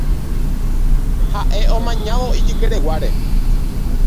Ha'e amañávo ijykereguáre.